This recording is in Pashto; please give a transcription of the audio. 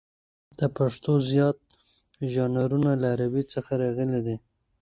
د پښتو زیات ژانرونه له عربي څخه راغلي دي.